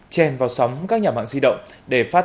chèn vào sóng các nhà mạng di động để phát tán các tin nhắn rác